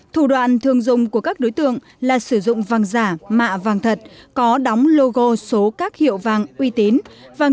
thủ đoạn thường dùng của các đối tượng là sử dụng vàng giả mạ vàng thật có đóng logo số các hiệu vàng uy tín